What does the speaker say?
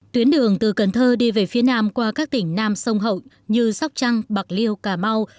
tuyến đường từ cần thơ đi về phía nam qua các tỉnh nam sông hậu như sóc trăng bạc liêu cà mau